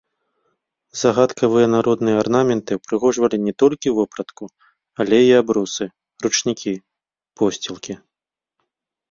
Загадкавыя народныя арнаменты ўпрыгожвалі не толькі вопратку, але і абрусы, ручнікі, посцілкі.